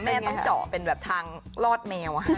แม่ต้องเจาะเป็นแบบทางลอดแมว